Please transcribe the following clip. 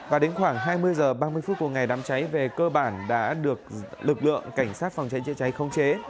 và đến khoảng hai mươi h ba mươi phút của ngày đám cháy về cơ bản đã được lực lượng cảnh sát phòng cháy chữa cháy không chế